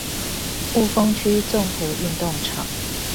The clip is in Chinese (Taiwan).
霧峰區綜合運動場